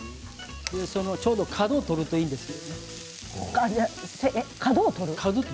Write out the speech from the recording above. ちょうど角を取るといいんです。